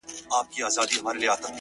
• سترگو کي باڼه له ياده وباسم،